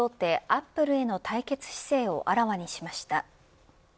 アップルへの対決姿勢をあらわにしました。